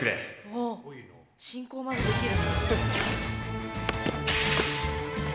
あっ進行までできる。